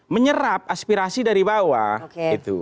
menyerap aspirasi dari bawah